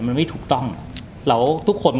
มันไม่ถูกต้องแล้วทุกคน